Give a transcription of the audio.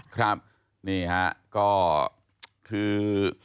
ครับนี่ฮะก็คือ